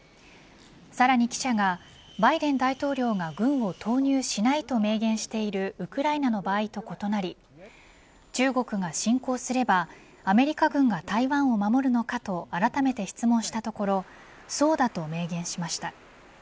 さらに記者がバイデン大統領が軍を投入しないと明言しているウクライナの場合と異なり中国が侵攻すればアメリカ軍が台湾を守るのかとあらためて質問したところそうだと明言しました。